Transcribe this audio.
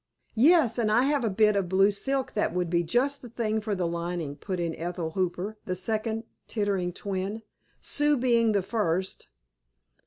"Yes, and I have a bit of blue silk that would be just the thing for the lining," put in Ethel Hooper, the second "Tittering Twin," Sue being the first.